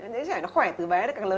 đứa trẻ nó khỏe từ bé đến càng lớn